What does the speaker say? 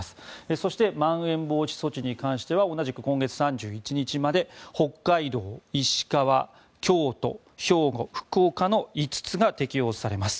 そしてまん延防止措置に関しては同じく今月３１日まで北海道、石川、京都、兵庫福岡の５つが適用されます。